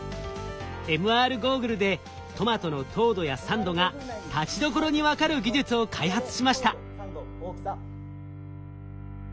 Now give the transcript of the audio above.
ＭＲゴーグルでトマトの糖度や酸度がたちどころに分かる技術を開発しました。